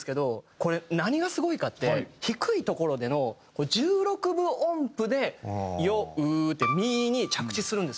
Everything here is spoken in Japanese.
これ何がすごいかって低い所での１６分音符で「酔う」ってミに着地するんですよ。